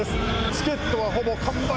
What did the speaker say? チケットは、ほぼ完売。